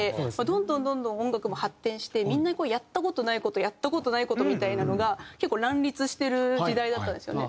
どんどんどんどん音楽も発展してみんなやった事ない事やった事ない事みたいなのが結構乱立してる時代だったんですよね。